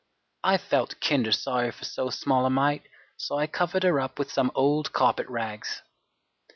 I felt kinder sorry for so small a mite, so I covered her up with some old carpet rags.